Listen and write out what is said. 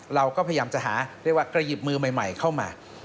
เราก็พยายามจะหาเรียกว่ากระหยิบมือใหม่เข้ามา